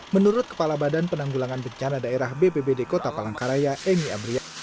menurut kepala badan penanggulangan bencana daerah bppd kota palangkaraya emy abriyat